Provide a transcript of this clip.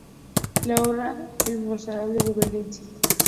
La obra "El mozárabe de Valencia.